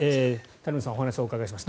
谷本さんにお話をお伺いしました。